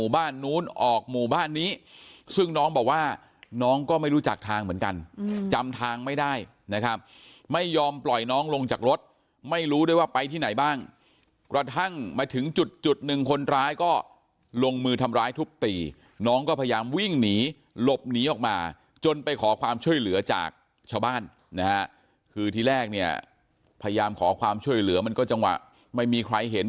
บ้านนู้นออกหมู่บ้านนี้ซึ่งน้องบอกว่าน้องก็ไม่รู้จักทางเหมือนกันจำทางไม่ได้นะครับไม่ยอมปล่อยน้องลงจากรถไม่รู้ด้วยว่าไปที่ไหนบ้างกระทั่งมาถึงจุดจุดหนึ่งคนร้ายก็ลงมือทำร้ายทุบตีน้องก็พยายามวิ่งหนีหลบหนีออกมาจนไปขอความช่วยเหลือจากชาวบ้านนะฮะคือที่แรกเนี่ยพยายามขอความช่วยเหลือมันก็จังหวะไม่มีใครเห็น